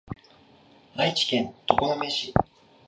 愛知県常滑市